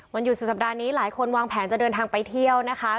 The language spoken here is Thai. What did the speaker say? หยุสุดสัปดาห์นี้หลายคนวางแผนจะเดินทางไปเที่ยวนะคะ